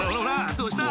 どうした！